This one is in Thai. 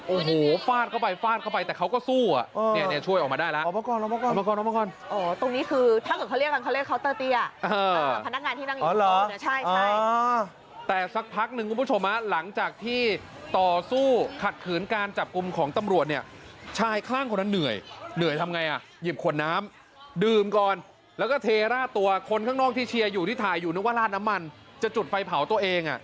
โอ้โหฟาดเข้าไปฟาดเข้าไปแต่เขาก็สู้อ่ะเนี่ยช่วยออกมาได้แล้ว